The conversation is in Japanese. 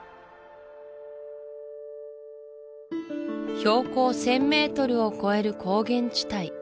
標高１０００ｍを超える高原地帯